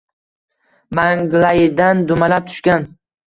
Manglayidan. dumalab tushgan